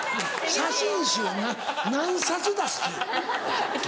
写真集何冊出す気？